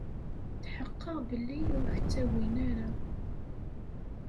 Tḥeqqeɣ belli ur k-ttagin ara.